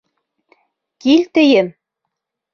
Кил, тием!